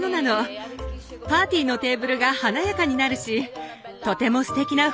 パーティーのテーブルが華やかになるしとてもステキな雰囲気よ！